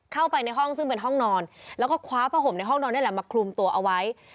เข้าไปในห้องซึ่งเป็นห้องนอนแล้วก็คว้าผ้าห่มในห้องนอนนี่แหละมาคลุมตัวเอาไว้